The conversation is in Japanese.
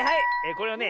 これはね